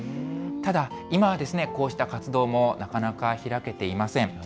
ただ、今はこうした活動もなかなか開けていません。